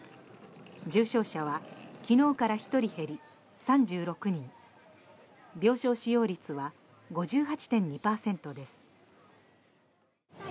重症者は昨日から１人減り３６人病床使用率は５８．２％です。